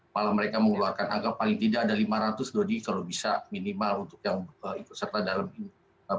malah mereka mengeluarkan angka paling tidak ada lima ratus dodi kalau bisa minimal untuk yang ikut serta dalam ini